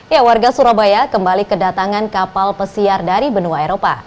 ya warga surabaya kembali kedatangan kapal pesiar dari benua eropa